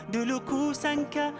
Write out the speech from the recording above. dulu ku sangka